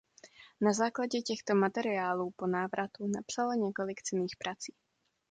Na základě těchto materiálů po návratu napsala několik cenných prací.